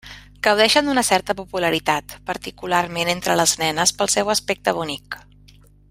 Gaudeixen d'una certa popularitat, particularment entre les nenes, pel seu aspecte bonic.